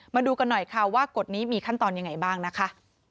มาดูกันหน่อยค่ะว่ากฎนี้มีขั้นตอนยังไงบ้างนะคะ